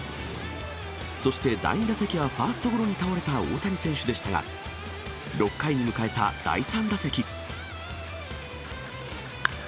そして第２打席はファーストゴロに倒れた大谷選手でしたが、６回に迎えた第３打席。